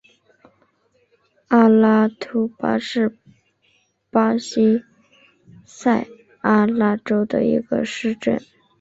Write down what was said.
阿拉图巴是巴西塞阿拉州的一个市镇。